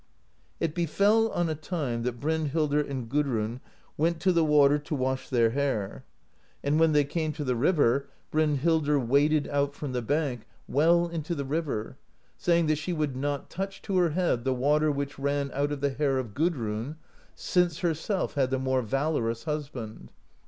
"It befell on a time that Brynhildr and Gudrun went to the water to wash their hair. And when they came to the 156 PROSE EDDA river, Brynhildr waded out from the bank well into the river, saying that she would not touch to her head the water which ran out of the hair of Gudrun, since herself had the more valorous husband.